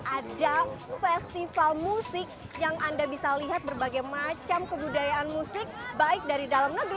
ada festival musik yang anda bisa lihat berbagai macam kebudayaan musik baik dari dalam negeri